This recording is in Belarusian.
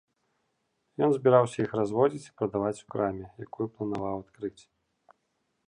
Ён збіраўся іх разводзіць і прадаваць у краме, якую планаваў адкрыць.